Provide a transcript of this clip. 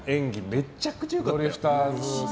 めちゃくちゃ良かった。